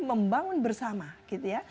membangun bersama gitu ya